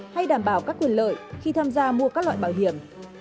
hay đảm bảo các quyền lợi khi tham gia mua các loại bảo hiểm